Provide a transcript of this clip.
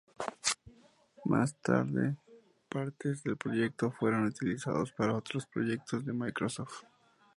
Más tarde partes del proyecto fueron utilizados para otros proyectos de Microsoft.